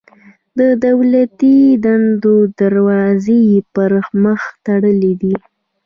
د دولتي دندو دروازې یې پر مخ تړلي دي.